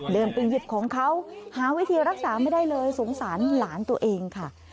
เดินไปหยิบของเขาหาวิธีรักษาไม่ได้เลยสงสารหลานตัวเองค่ะ